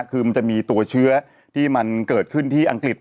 คือมันจะมีตัวเชื้อที่มันเกิดขึ้นที่อังกฤษ